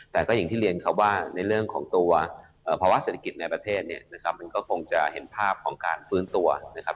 แต่ก็อย่างที่เรียนครับว่าในเรื่องของตัวภาวะเศรษฐกิจในประเทศเนี่ยนะครับมันก็คงจะเห็นภาพของการฟื้นตัวนะครับ